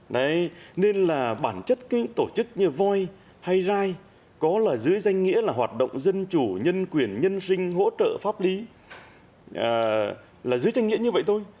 đấy nên là bản chất cái tổ chức như voi hay rai có là dưới danh nghĩa là hoạt động dân chủ nhân quyền nhân sinh hỗ trợ pháp lý là dưới danh nghĩa như vậy thôi